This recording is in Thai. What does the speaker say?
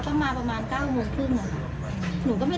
เขาก็มาประมาณเก้าโมงครึ่งนะคะ